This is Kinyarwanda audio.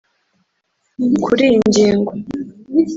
Kuri iyi ngingo